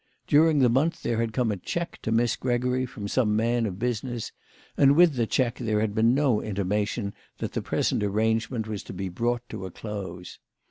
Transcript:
During the month there had come a cheque to Miss Gregory from some man of business, and with the cheque there had been no intimation that the present arrangement was to be brought to a close.